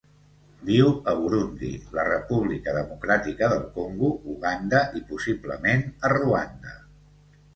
Viu a Burundi, la República Democràtica del Congo, Uganda i, possiblement, a Ruanda.